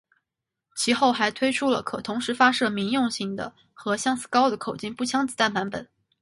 其后还推出了可同时发射民用型的和相似高的口径步枪子弹版本。